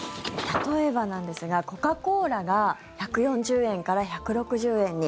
例えばなんですがコカ・コーラが１４０円から１６０円に。